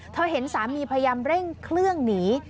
เห็นสามีพยายามเร่งเครื่องหนี